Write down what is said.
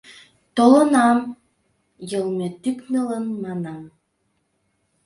— Толынам... — йылме тӱкнылын манам.